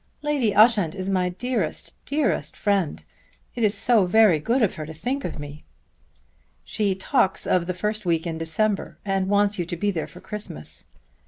Lady Ushant is my dearest, dearest friend. It is so very good of her to think of me." "She talks of the first week in December and wants you to be there for Christmas."